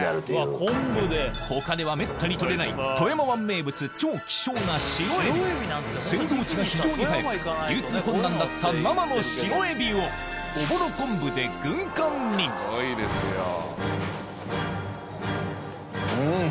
他ではめったに獲れない富山湾名物超希少な白エビ鮮度落ちが非常に早く流通困難だった生の白エビをおぼろ昆布で軍艦にうん！